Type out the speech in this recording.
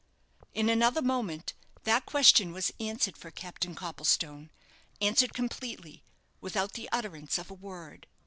In another moment that question was answered for Captain Copplestone answered completely, without the utterance of a word.